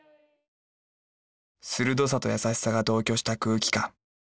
鋭さと優しさが同居した空気感。